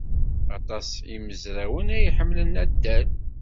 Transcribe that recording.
Aṭas n yimezrawen ay iḥemmlen addal.